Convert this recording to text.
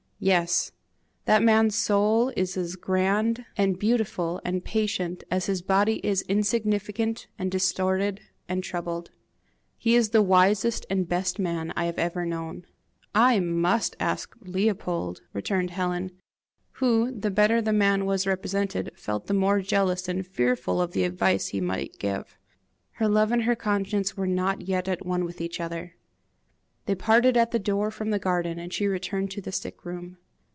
"Yes. That man's soul is as grand and beautiful and patient as his body is insignificant and distorted and troubled. He is the wisest and best man I have ever known. "I must ask Leopold," returned Helen, who, the better the man was represented, felt the more jealous and fearful of the advice he might give. Her love and her conscience were not yet at one with each other. They parted at the door from the garden, and she returned to the sick room.